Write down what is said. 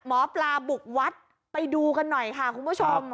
หมอปลาบุกวัดไปดูกันหน่อยค่ะคุณผู้ชม